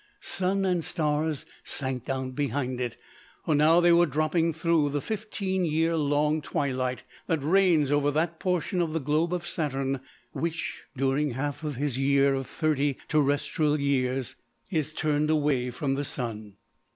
Sun and stars sank down behind it, for now they were dropping through the fifteen year long twilight that reigns over that portion of the globe of Saturn which, during half of his year of thirty terrestrial years, is turned away from the Sun.